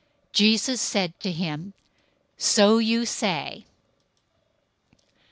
Jesus said to him, "So you say."